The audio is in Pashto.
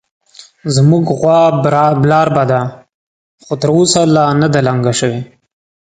زموږ غوا برالبه ده، خو تر اوسه لا نه ده لنګه شوې